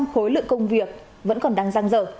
khối lượng công việc vẫn còn đang răng rở